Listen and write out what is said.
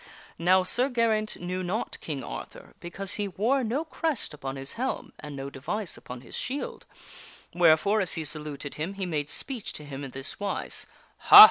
Now Sir Geraint knew not King Arthur because he wore no crest upon his helm and no device upon his shield, wherefore as he saluted him he made speech to him in this wise :" Ha